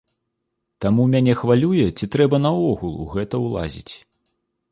Таму мяне хвалюе, ці трэба наогул у гэта ўлазіць?